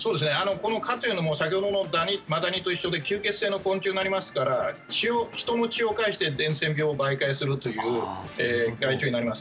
この蚊というのも先ほどのマダニと一緒で吸血性の昆虫になりますから人の血を介して伝染病を媒介するという害虫になります。